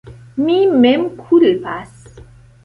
Mi mem kulpas.